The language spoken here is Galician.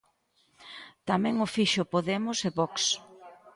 Tamén o fixo Podemos e Vox.